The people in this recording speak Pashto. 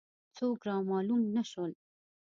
څوک را معلوم نه شول.